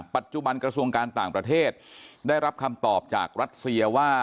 ปัจจุบันกระทรวงการต่างประเทศได้รับคำตอบจากรัสเซียว่า